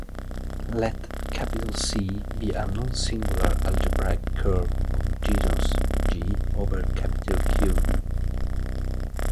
Let "C" be a non-singular algebraic curve of genus "g" over Q.